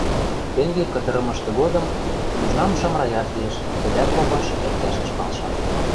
Тенге кытырымышты годым южнам Шамраят лиэш, тӹдӓт попаш, кӓнгӓшӓш палша.